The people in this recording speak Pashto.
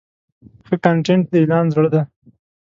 ښه کانټینټ د اعلان زړه دی.